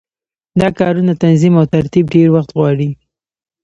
دا کارونه تنظیم او ترتیب ډېر وخت غواړي.